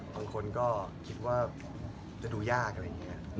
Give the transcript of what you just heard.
บางคนก็คิดว่าจะดูยากอะไรอย่างนี้